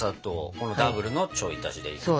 このダブルのちょい足しで。